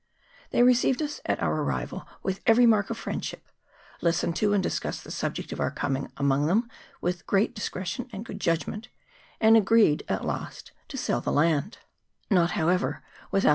They received us at our arrival with every mark of friendship, listened to and discussed the subject of our coming among them with great discretion and good judgment, and agreed at last to sell the land ; not, however, without 92 NATIVE CHIEFS. [PART I.